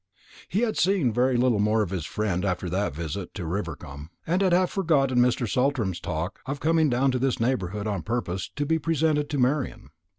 He had seen very little more of his friend after that visit to Rivercombe, and had half forgotten Mr. Saltram's talk of coming down to this neighbourhood on purpose to be presented to Marian.